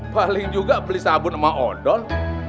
paling juga beli sabun sama odon